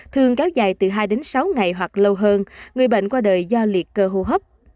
thường kéo dài từ hai đến sáu ngày hoặc lâu hơn người bệnh qua đời do liệt cơ hô hấp